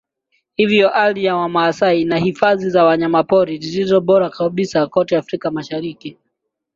Hivyo ardhi ya Wamasai ina hifadhi za Wanyamapori zilizo bora kabisa kote Afrika Mashariki